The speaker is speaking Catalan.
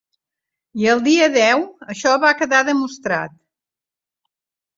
I el dia deu això va quedar demostrat.